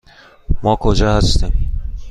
ما کجا هستیم؟